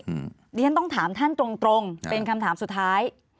อันนี้แต่เราต้องถามท่านตรงเป็นคำถามสุดท้าย